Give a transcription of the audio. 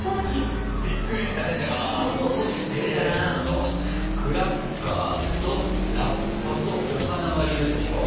えっとクラッカーとラッパとお花は要るでしょ。